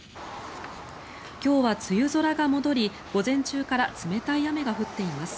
今日は梅雨空が戻り午前中から冷たい雨が降っています。